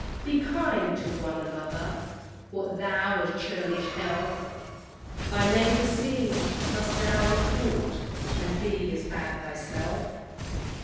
Be kind to one another! What though a churlish elf Thy neighbour seem! Must thou retort, And be as bad thyself?